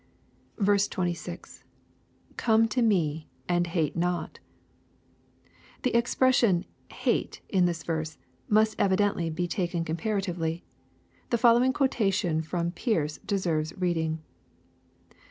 26. — [Oome to me^ and hate not^ The expression " hate,*' in this verse, must evidently be taken comparatively. The following quo tation from Pearce deserves reading.